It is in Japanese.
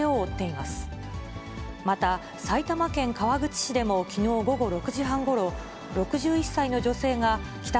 また、埼玉県川口市でもきのう午後６時半ごろ、６１歳の女性が帰宅